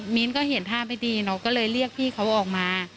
มีนก็เห็นท่าไม่ดีเราก็เลยเรียกพี่เขาออกมา